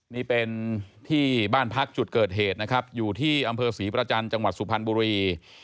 นี่เป็นที่บ้านพักจุดเกิดเหตุนะครับอยู่ที่อำเภอศรีประจันทร์จังหวัดสุพรรณบุรี